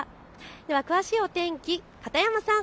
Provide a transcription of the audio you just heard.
では詳しいお天気、片山さん